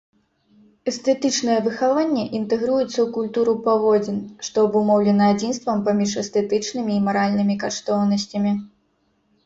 Эстэтычнае выхаванне інтэгруецца ў культуру паводзін, што абумоўлена адзінствам паміж эстэтычнымі і маральнымі каштоўнасцямі.